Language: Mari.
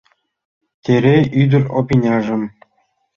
Терей ӱдыр Опиняжым